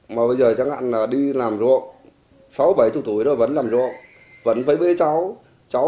mỗi người có công việc